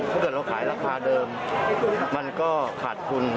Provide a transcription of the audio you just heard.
ถ้าเกิดเราขายราคาเดิมมันก็ขาดทุน